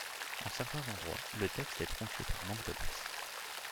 En certains endroits, le texte est tronqué par manque de place.